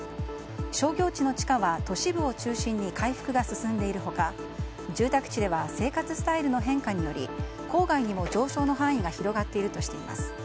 商業地の地価は都市部を中心に回復が進んでいる他住宅地では生活スタイルの変化により郊外にも上昇の範囲が広がっているとしています。